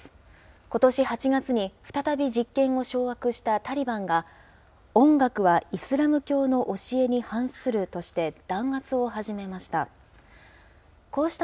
ことし８月に再び実権を掌握したタリバンが、音楽はイスラム教の教えに反するとして、弾圧を始めました。